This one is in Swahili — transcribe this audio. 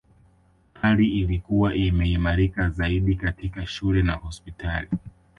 Hali ilikuwa imeimarika zaidi katika shule na hospitali